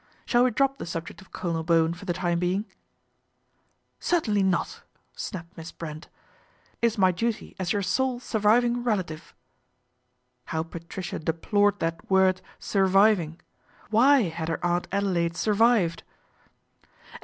Shall we drop the subject of Colonel Bowen for the time being ?"" Certainly not," snapped Miss Brent. " It is my duty as your sole surviving relative," how Patricia deplored that word "surviving," why had her Aunt Adelaide survived